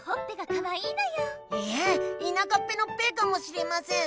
いえいなかっぺの「ぺ」かもしれません。